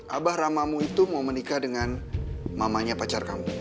abah ramamu itu mau menikah dengan mamanya pacar kamu